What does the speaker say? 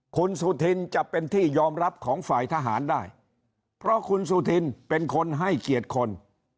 คุณสุธินจะเป็นที่ยอมรับของฝ่ายทหารได้เพราะคุณสุธินเป็นคนให้เกียรติคน